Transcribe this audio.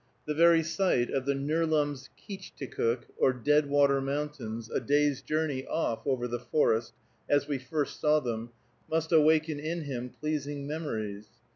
The very sight of the Nerlumskeechticook, or Deadwater Mountains, a day's journey off over the forest, as we first saw them, must awaken in him pleasing memories.